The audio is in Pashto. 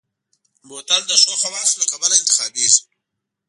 بوتل د ښو خواصو له کبله انتخابېږي.